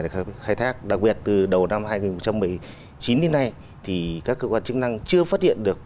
để khai thác đặc biệt từ đầu năm hai nghìn một mươi chín đến nay thì các cơ quan chức năng chưa phát hiện được